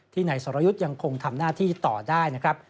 นายสรยุทธ์ยังคงทำหน้าที่ต่อได้นะครับ